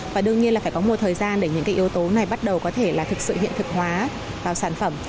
và đương nhiên là phải có một thời gian để những cái yếu tố này bắt đầu có thể là thực sự hiện thực hóa vào sản phẩm